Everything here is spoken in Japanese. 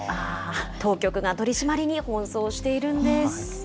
当局が取締りに奔走しているんです。